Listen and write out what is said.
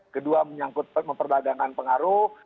kedua memperbadangan pengaruh